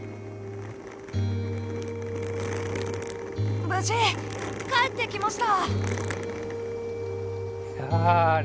無事帰ってきました！